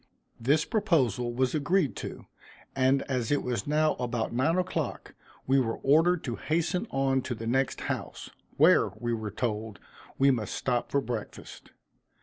This proposal was agreed to, and as it was now about nine o'clock, we were ordered to hasten on to the next house, where, we were told, we must stop for breakfast.